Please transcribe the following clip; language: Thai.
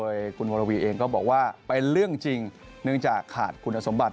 โดยคุณวรวีเองก็บอกว่าเป็นเรื่องจริงเนื่องจากขาดคุณสมบัติ